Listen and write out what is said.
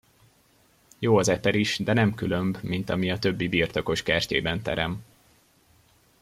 Jó az eper is, de nem különb, mint ami a többi birtokos kertjében terem.